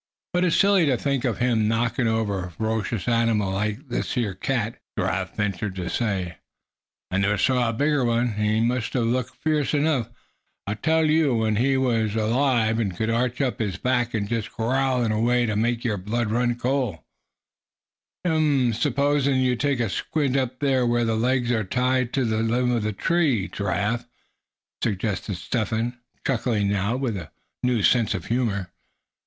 "But it's silly to think of him knockin' over a ferocious animal like this here cat," Giraffe ventured to say. "I never saw a bigger one; and he must have looked fierce enough, I tell you, when he was alive, and could arch up his back, and just growl in a way to make your blood run cold." "H'm! s'pose you take a squint up to where the legs are tied to the limb of that tree, Giraffe?" suggested Step Hen, chuckling now with a new sense of humor.